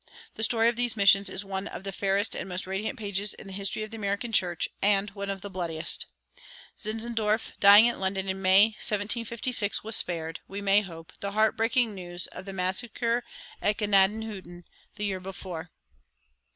The story of these missions is one of the fairest and most radiant pages in the history of the American church, and one of the bloodiest. Zinzendorf, dying at London in May, 1756, was spared, we may hope, the heartbreaking news of the massacre at Gnadenhütten the year before.